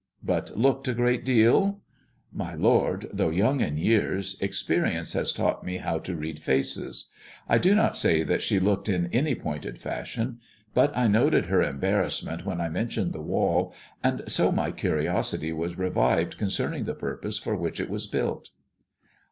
" But looked a great deal." " My lord, though young in years, experience has taught me how to read faces. I do not say that she looked in any pointed fashion ; but I noted her embarrassment when I mentioned the wall, and so my curiosity was revived con cerning the purpose for which it was built."